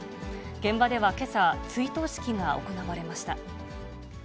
現場ではけさ、追悼式が行われました。